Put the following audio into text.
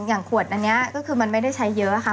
อย่างขวดอันนี้ก็คือมันไม่ได้ใช้เยอะค่ะ